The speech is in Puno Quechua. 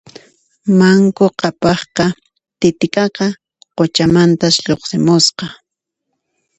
Manku Qhapaqqa Titiqaqa quchamantas lluqsimusqa